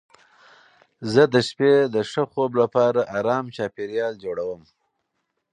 زه د شپې د ښه خوب لپاره ارام چاپېریال جوړوم.